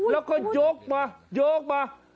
แล้วก็ยกมา